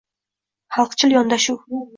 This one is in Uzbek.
Xalqchil yondashuv